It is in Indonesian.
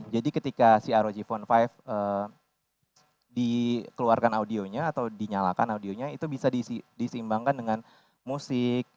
jadi ketika si rog phone lima dikeluarkan audionya atau dinyalakan audionya itu bisa diseimbangkan dengan musik